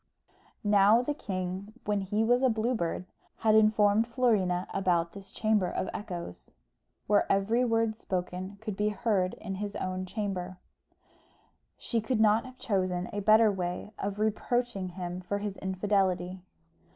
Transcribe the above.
Now the king, when he was a Blue Bird, had informed Florina about this Chamber of Echoes, where every word spoken could be heard in his own chamber; she could not have chosen a better way of reproaching him for his infidelity.